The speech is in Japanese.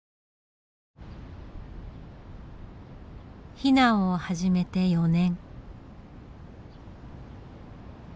避難を始めて４年。